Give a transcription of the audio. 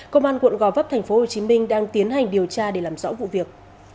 công an quận gò vấp tp hcm đang tiến hành điều tra để làm rõ vụ việc